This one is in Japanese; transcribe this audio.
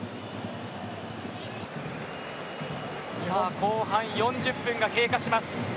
後半４０分が経過します。